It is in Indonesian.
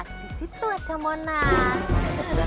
disitu aja monas